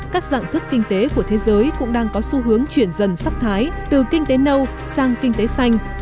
các dạng thức kinh tế của thế giới cũng đang có xu hướng chuyển dần sắc thái từ kinh tế nâu sang kinh tế xanh